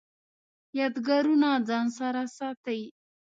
یادګارونه ځان سره ساتئ؟